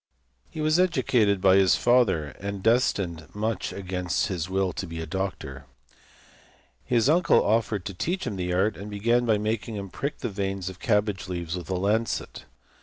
He was educated by his father, and destined much against his will to be a doctor. His uncle offered to teach him the art; and began by making him prick the veins of cabbage leaves with a lancet.